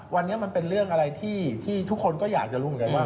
วันนี้มันเป็นเรื่องอะไรที่ทุกคนก็อยากจะรุ่นไปนายว่ะ